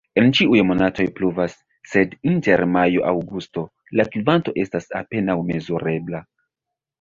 En ĉiuj monatoj pluvas, sed inter majo-aŭgusto la kvanto estas apenaŭ mezurebla.